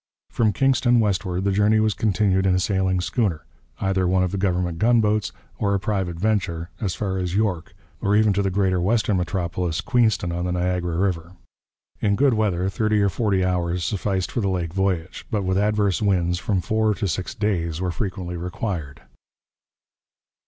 From Kingston westward the journey was continued in a sailing schooner, either one of the government gunboats or a private venture, as far as York, or even to the greater western metropolis, Queenston on the Niagara river. In good weather thirty or forty hours sufficed for the lake voyage, but with adverse winds from four to six days were frequently required.